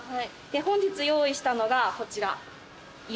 本日用意したのがこちら。